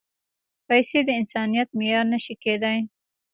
پېسې د انسانیت معیار نه شي کېدای.